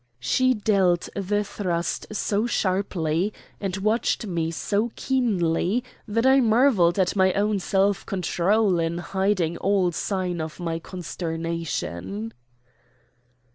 She dealt the thrust so sharply and watched me so keenly that I marvelled at my own self control in hiding all sign of my consternation.